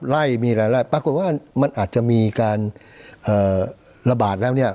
ไล่มีอะไรไล่ปรากฏว่ามันอาจจะมีการระบาดแล้วเนี่ย